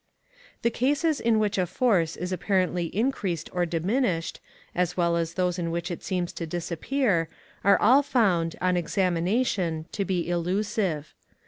The cases in which a force is apparently increased or diminished, as well as those in which it seems to disappear, are all found, on examination, to be illusive.